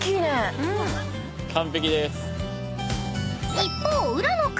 ［一方浦野君。